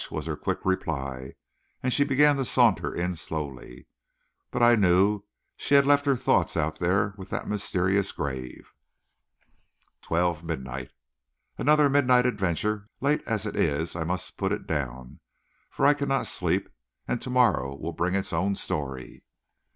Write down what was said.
was her quick reply, and she began to saunter in slowly. But I knew she left her thoughts out there with that mysterious grave. 12 M. Another midnight adventure! Late as it is, I must put it down, for I cannot sleep, and to morrow will bring its own story.